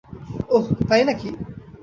ওহ্ তাই নাকি?